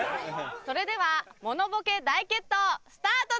それではモノボケ大決闘スタートです。